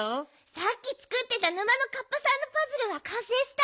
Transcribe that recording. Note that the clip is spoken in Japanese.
さっきつくってた沼のカッパさんのパズルはかんせいした？